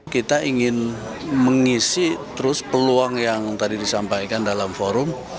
kita ingin mengisi terus peluang yang tadi disampaikan dalam forum